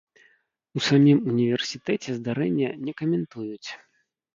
У самім універсітэце здарэнне не каментуюць.